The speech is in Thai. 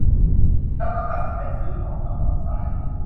แล้วก็ตัดสินใจซื้อกล่องรับกับสาย